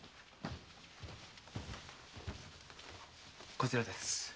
こちらです。